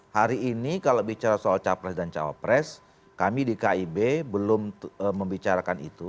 hari ini kalau bicara soal capres dan cawapres kami di kib belum membicarakan itu